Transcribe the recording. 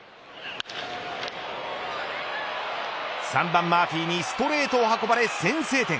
３番マーフィーにストレートを運ばれ先制点。